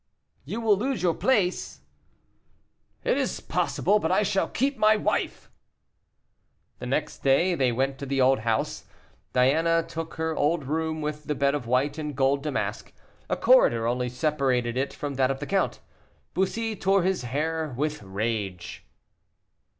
"You will lose your place." "It is possible; but I shall keep my wife." The next day they went to the old house; Diana took her old room, with the bed of white and gold damask. A corridor only separated it from that of the count. Bussy tore his hair with rage.